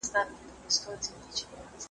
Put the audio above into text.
ستا په مالت کي مي خپل سیوري ته خجل نه یمه ,